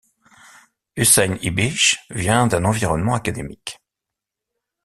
Hussein Ibish vient d’un environnement académique.